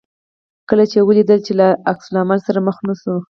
کله چې یې ولیدل چې له عکس العمل سره مخ نه شو.